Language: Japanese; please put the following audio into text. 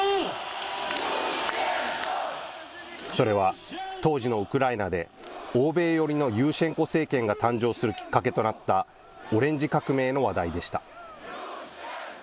それは、当時のウクライナで欧米寄りのユーシェンコ政権が誕生するきっかけとなったオレンジ革命の話題でした。